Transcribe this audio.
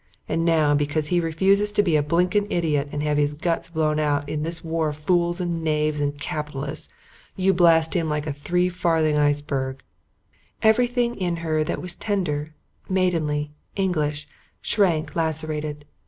And now because he refuses to be a blinking idiot and have his guts blown out in this war of fools and knaves and capitalists, you blast him like a three farthing iceberg." Everything in her that was tender, maidenly, English, shrank lacerated.